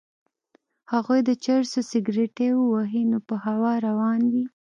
هغوی د چرسو سګرټی ووهي نو په هوا روان وي.